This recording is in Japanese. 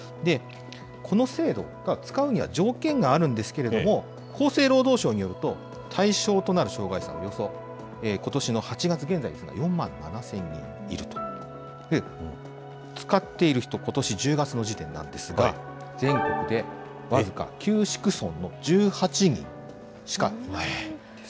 この制度、使うには条件があるんですけれども、厚生労働省によると、対象となる障害者はおよそことしの８月現在ですが４万７０００人いるということ、使っている人、ことし１０月の時点なんですが、全国で僅か９市区村の１８人しかいないんです。